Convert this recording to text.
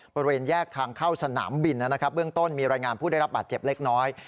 บริเวณแยกทางเข้าสนามบินนะครับเบื้องต้นมีรายงานผู้ได้รับบาดเจ็บเล็กน้อย